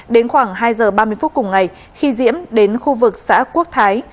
đến khoảng hai giờ ba mươi phút cùng ngày khi diễm đến khu vực xã quốc thái